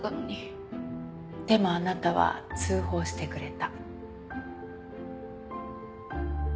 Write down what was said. でもあなたは通報してくれた。